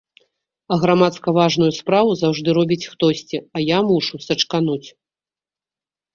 А грамадска-важную справу заўжды робіць хтосьці, а я мушу сачкануць.